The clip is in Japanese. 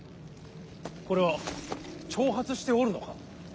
これは挑発しておるのか。